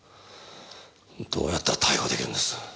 どうやったら逮捕できるんです？